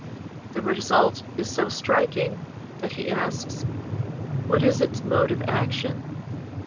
The result is so striking, that he asks, "What is its mode of action?